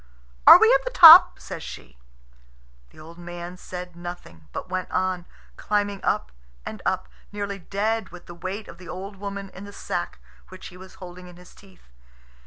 "Are we at the top?" says she. The old man said nothing, but went on, climbing up and up, nearly dead with the weight of the old woman in the sack which he was holding in his teeth.